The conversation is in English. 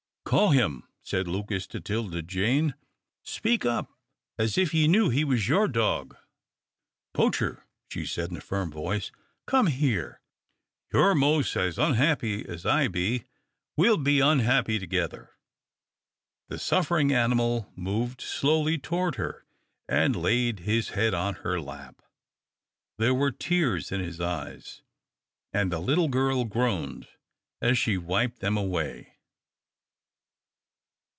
"Call him," said Lucas to 'Tilda Jane. "Speak up as if ye knew he was your dog." "Poacher," she said, in a firm voice, "come here. You're mos' as unhappy as I be we'll be unhappy together." The suffering animal moved slowly toward her, and laid his head on her lap. There were tears in his eyes, and the little girl groaned as she wiped them away.